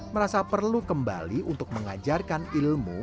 merasa perlu kembali untuk mengajarkan ilmu